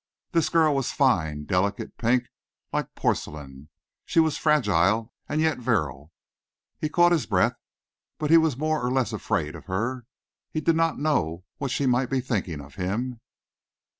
This girl was fine, delicate, pink, like porcelain. She was fragile and yet virile. He caught his breath, but he was more or less afraid of her. He did not know what she might be thinking of him.